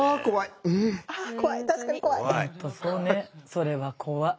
それは怖い。